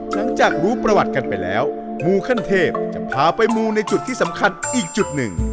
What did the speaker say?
หลังจากรู้ประวัติกันไปแล้วมูขั้นเทพจะพาไปมูในจุดที่สำคัญอีกจุดหนึ่ง